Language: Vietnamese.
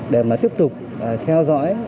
để tiếp tục theo dõi